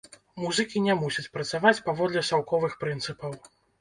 Музыкі не мусяць працаваць паводле саўковых прынцыпаў.